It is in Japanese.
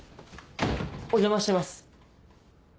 お邪魔してます。